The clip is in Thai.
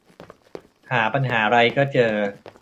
หาปัญหาไรก็เจอ